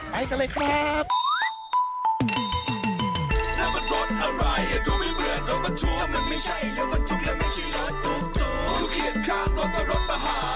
ไปกันเลยครับ